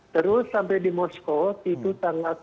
terus sampai di moskow itu tanggal tiga tiga puluh